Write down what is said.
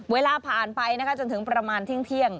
เวลาผ่านไปจนถึงประมาณที่เที่ยง